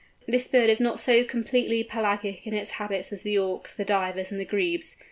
This bird is not so completely pelagic in its habits as the Auks, the Divers, and the Grebes.